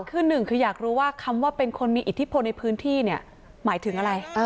คือหนึ่งคืออยากรู้ว่าคำว่าเป็นคนมีอิทธิพลในพื้นที่เนี่ยหมายถึงอะไร